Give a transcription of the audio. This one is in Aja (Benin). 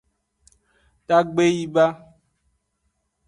Dagbe yi ba.